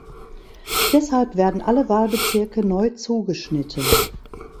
Deshalb werden alle Wahlbezirke neu zugeschnitten.